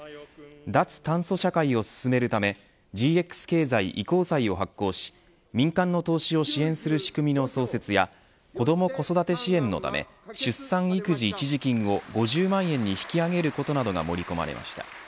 脱炭素社会を進めるためＧＸ経済移行債を発行し民間の投資を支援する仕組みの創設や子ども子育て支援のため出産育児一時金を５０万円に引き上げることなどが盛り込まれました。